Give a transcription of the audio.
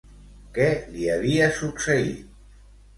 Què li havia succeït?